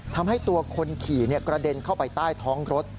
ทำให้ตัวคนขี่กระเด็นเข้าไปใต้ท้องรถ